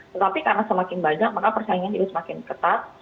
tetapi karena semakin banyak maka persaingan juga semakin ketat